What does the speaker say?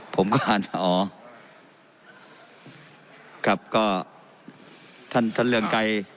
ผมก็อาจจะอ๋อครับก็ท่านท่านเรืองไกร